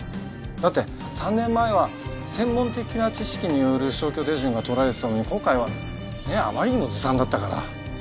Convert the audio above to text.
だって３年前は専門的な知識による消去手順が取られていたのに今回はねえあまりにもずさんだったから。